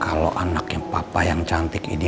kalau anaknya papa yang cantik ini